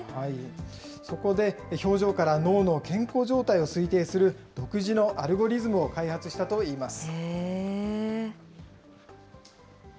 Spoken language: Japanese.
そこで、表情から脳の健康状態を推定する独自のアルゴリズムを開発したといいます。